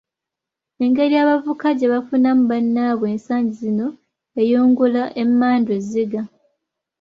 Engeri abavubuka gye bafunamu “bannaabwe” ensangi zino eyungula emmandwa ezziga.